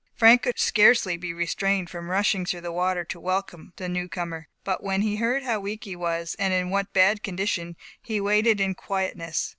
Frank could scarcely be restrained from rushing through the water to welcome the new comer; but when he heard how weak he was, and in what bad condition, he waited in quietness.